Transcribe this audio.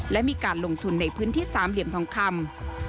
และมีการลงทุนในพื้นที่สามเหลี่ยมทองคำ